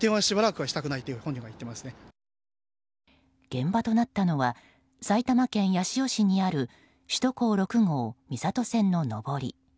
現場となったのは埼玉県八潮市にある首都高６号三郷線の上り。